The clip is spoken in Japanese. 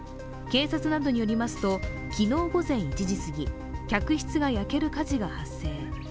警察などによりますと、昨日午前１時すぎ、客室が焼ける火事が発生。